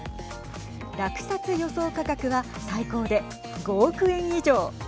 落札予想価格は最高で５億円以上。